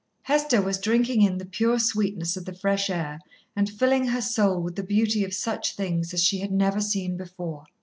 Hester was drinking in the pure sweetness of the fresh air and filling her soul with the beauty of such things as she had never seen before.